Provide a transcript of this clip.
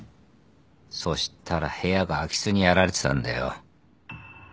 そしたら部屋が空き巣にやられてたんだよ。